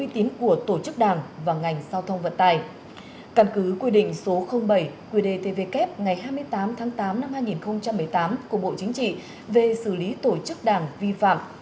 từ quy định số bảy quy đề tvk ngày hai mươi tám tháng tám năm hai nghìn một mươi tám của bộ chính trị về xử lý tổ chức đảng vi phạm